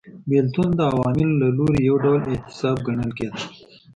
بېلتون د عوامو له لوري یو ډول اعتصاب ګڼل کېده